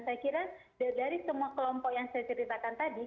saya kira dari semua kelompok yang saya ceritakan tadi